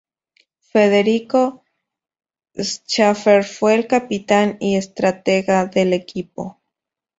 Federico Schaffer fue el capitán y estratega del equipo.